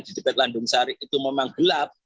di dekat landung sari itu memang gelap